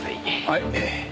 はい。